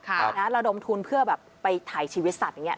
ไปนะระดมทุนเพื่อแบบไปถ่ายชีวิตสัตว์อย่างนี้